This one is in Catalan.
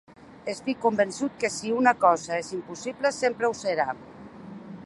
Estic convençut que si una cosa és impossible, sempre ho serà.